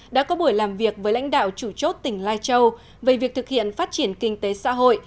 đã có buổi làm việc với lãnh đạo chủ chốt tỉnh lai châu về việc thực hiện phát triển kinh tế xã hội